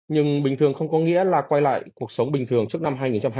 nhưng bình thường không có nghĩa là quay lại cuộc sống bình thường trước năm hai nghìn hai mươi